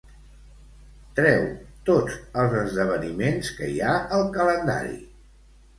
Treu tots els esdeveniments que hi ha al calendari.